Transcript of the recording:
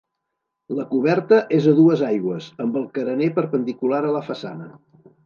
La coberta és a dues aigües, amb el carener perpendicular a la façana.